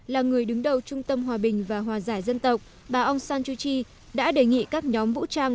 là người đứng đầu trung tâm hòa bình và hòa giải dân tộc bà aung san chuji đã đề nghị các nhóm vũ trang